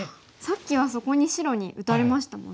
さっきはそこに白に打たれましたもんね。